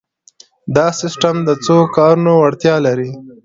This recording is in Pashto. دا سیسټم د څو کارونو وړتیا لري.